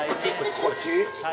こっち？